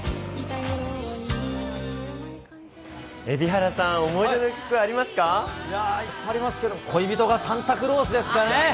蛯原さん、いやー、いっぱいありますけど、恋人がサンタクロースですかね。